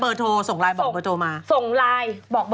เบอร์โทรส่งลายบอกเบอร์โทรมาย